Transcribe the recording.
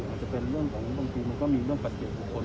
อาจจะเป็นเรื่องของบางทีมันก็มีเรื่องปัจจุของคนเข้ามาเจอต้น